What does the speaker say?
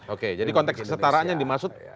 oke jadi konteks kesetaraan yang dimaksud